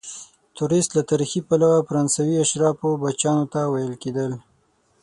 توریست له تاریخي پلوه فرانسوي اشرافو بچیانو ته ویل کیدل.